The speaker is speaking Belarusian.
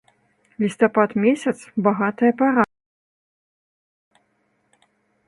Лістапад месяц, багатая пара.